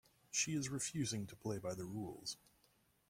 She is refusing to play by the rules.